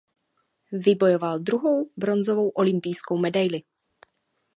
Vybojoval druhou bronzovou olympijskou medaili.